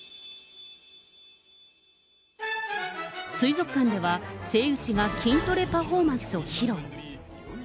水族館では、セイウチが筋トレパフォーマンスを披露。